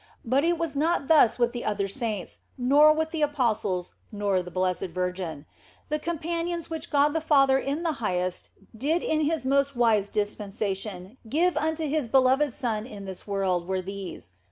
But it was not thus with the other saints, nor with the apostles nor the Blessed Virgin. The companions which God the Father in the Highest did in His most wise dispensation give unto His Beloved Son in this world were these.